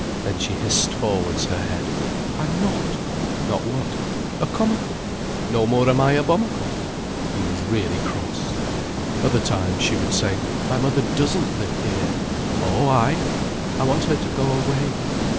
Then she hissed forwards her head. "I'm not." "Not what?" "A comakle." "No more am I a bomakle." He was really cross. Other times she would say: "My mother doesn't live here." "Oh, ay?" "I want her to go away."